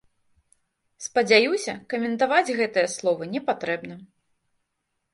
Спадзяюся, каментаваць гэтыя словы не патрэбна.